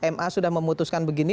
ma sudah memutuskan begini